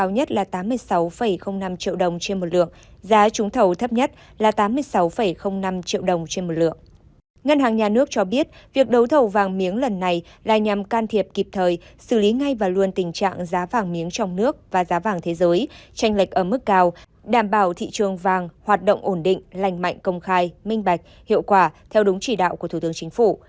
nhà nước cho biết việc đấu thầu vàng miếng lần này là nhằm can thiệp kịp thời xử lý ngay và luôn tình trạng giá vàng miếng trong nước và giá vàng thế giới tranh lệch ở mức cao đảm bảo thị trường vàng hoạt động ổn định lành mạnh công khai minh bạch hiệu quả theo đúng chỉ đạo của thủ tướng chính phủ